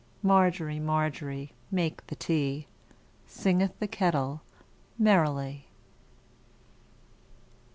Margery, Margery, make the tea, Singeth the kettle merrily.